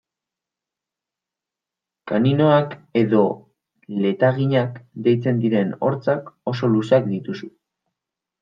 Kaninoak edo letaginak deitzen diren hortzak oso luzeak dituzu.